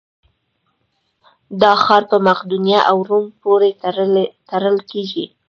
دا ښار په مقدونیه او روم پورې تړل کېږي.